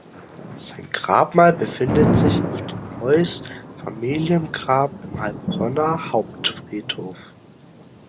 Sein Grabmal befindet sich auf dem Heuss-Familiengrab im Heilbronner Hauptfriedhof.